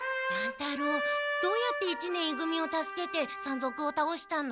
太郎どうやって一年い組を助けて山賊をたおしたの？